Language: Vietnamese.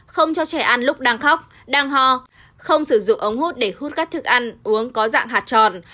không cho trẻ ăn lúc đang khóc đang ho không sử dụng ống hút để hút các thức ăn uống có dạng hạt tròn